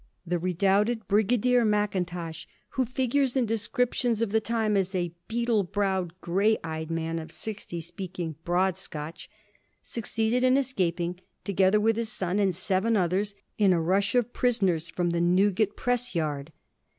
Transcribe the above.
The redoubted Brigadier Mackintosh, who figures in descriptions of the time as a * beetle browed, grey eyed ' man of sixty, speaking ' broad Scotch,' succeeded in escaping, together with his son and seven others, in a rush of prisoners from the Newgate press yard.